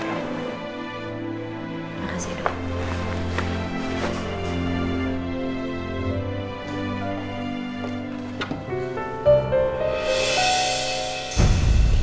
terima kasih ibu